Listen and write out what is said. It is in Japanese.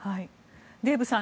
デーブさん